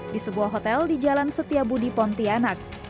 di sebuah hotel di jalan setiabudi pontianak